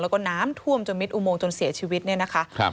แล้วก็น้ำท่วมจนมิดอุโมงจนเสียชีวิตเนี่ยนะคะครับ